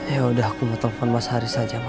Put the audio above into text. yaudah aku mau telepon mas haris aja ma